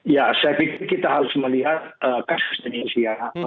ya saya pikir kita harus melihat kasus ini